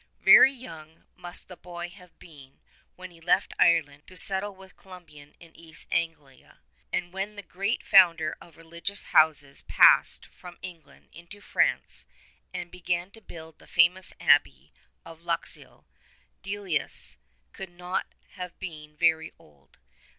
Very young must the boy have been when he left Ireland to settle with Columban in East Anglia ; and when the great founder of religious houses passed from England into France and began to build the famous abbey of Luxeuil, Deicolus could not have been very old.